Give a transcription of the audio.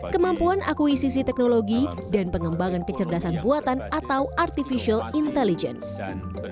kemampuan akuisisi teknologi dan pengembangan kecerdasan buatan atau artificial intelligence